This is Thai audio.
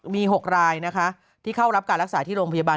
มี๖รายนะคะที่เข้ารับการรักษาที่โรงพยาบาล